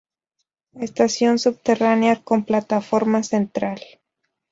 Estación subterránea con plataforma central.